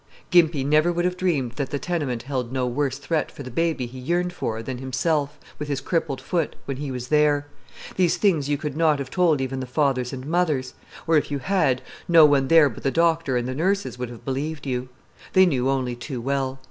Gimpy never would have dreamed that the tenement held no worse threat for the baby he yearned for than himself, with his crippled foot, when he was there. These things you could not have told even the fathers and mothers; or if you had, no one there but the doctor and the nurses would have believed you. They knew only too well.